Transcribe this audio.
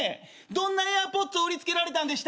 どんなＡｉｒＰｏｄｓを売りつけられたんでした？